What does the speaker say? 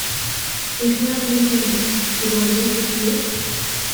Et rien ne répondit ; et l’oiseau curieux